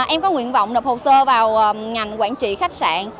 em có nguyện vọng đập hồ sơ vào ngành quản trị khách sạn